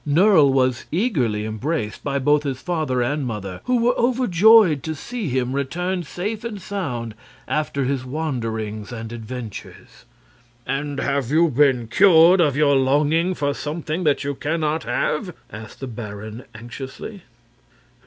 Nerle was eagerly embraced by both his father and mother, who were overjoyed to see him return safe and sound after his wanderings and adventures. "And have you been cured of your longing for something that you can not have?" asked the baron, anxiously.